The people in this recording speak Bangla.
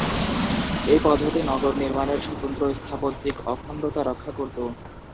এই পদ্ধতি নগর নির্মাণের স্বতন্ত্র স্থাপত্যিক অখণ্ডতা রক্ষা করত।